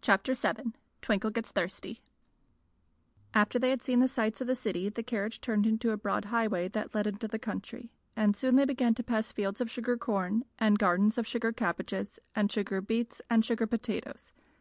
Chapter VII Twinkle Gets Thirsty AFTER they had seen the sights of the city the carriage turned into a broad highway that led into the country, and soon they began to pass fields of sugar corn and gardens of sugar cabbages and sugar beets and sugar potatoes.